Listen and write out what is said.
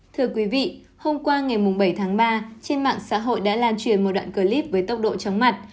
thưa quý vị hôm qua ngày bảy tháng ba trên mạng xã hội đã lan truyền một đoạn clip với tốc độ chóng mặt